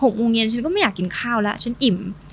๖โมงเย็นฉันก็ไม่อยากกินข้าวแล้วฉันอิ่ม